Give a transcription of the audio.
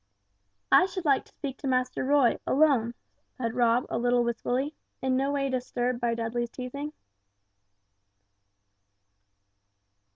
"I should like to speak to Master Roy, alone," said Rob, a little wistfully; in no way disturbed by Dudley's teasing.